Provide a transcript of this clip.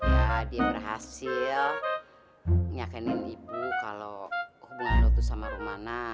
ya dia berhasil nyakinin ibu kalau hubungan lu tuh sama rumana